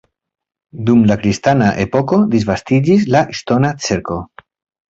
Dum la kristana epoko disvastiĝis la ŝtona ĉerko.